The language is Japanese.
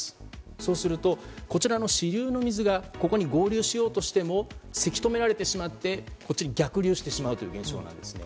そうすると、こちらの支流の水がここに合流しようとしてもせき止められて逆流してしまう現象なんですね。